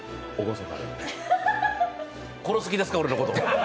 殺す気ですか、俺のこと。